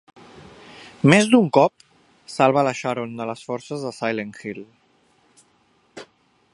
Més d'un cop, salva la Sharon de les forces de Silent Hill.